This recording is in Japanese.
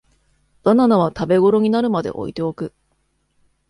バナナは食べごろになるまで置いておく